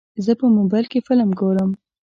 زه په موبایل کې فلم ګورم.